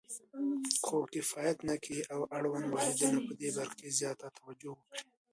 خو کفایت نه کوي او اړوند واحدونه پدې برخه کې زیاته توجه وکړي.